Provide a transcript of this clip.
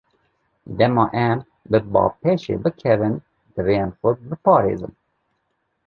Dema em bi bapêşê bikevin, divê em xwe biparêzin.